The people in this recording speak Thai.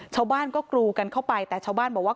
ชาวบ้านก็กรูกันเข้าไปแต่ชาวบ้านบอกว่า